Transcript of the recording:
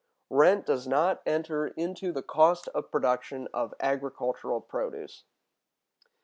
Rent does not enter into the Cost of Production of Agricultural Produce.